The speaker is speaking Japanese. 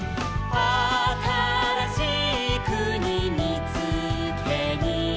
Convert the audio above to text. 「あたらしいくにみつけに」